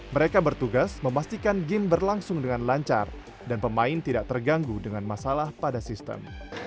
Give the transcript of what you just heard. mereka bertugas memastikan game berlangsung dengan lancar dan pemain tidak terganggu dengan masalah pada sistem